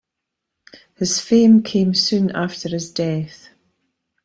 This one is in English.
His fame came soon after his death.